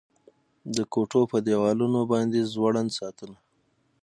د کوټو په دیوالونو باندې ځوړند ساعتونه